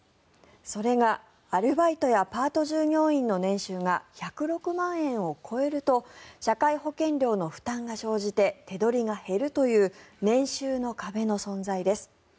それがアルバイトやパート従業員の年収が１０６万円を超えると社会保険料の負担が生じて手取りが減るという年収の壁の存在です。